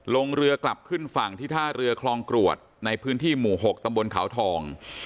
ลงเรือกลับขึ้นฝั่งที่ท่าเรือคลองกรวดในพื้นที่หมู่๖ตำบลเขาทอง